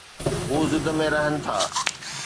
هو ضد ۾ رهن ٿا.